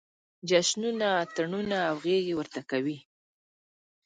جشنونه، اتڼونه او غېږې ورته کوي.